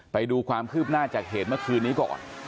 ไปดูความคืบหน้าจากเหตุเมื่อคืนนี้ก่อน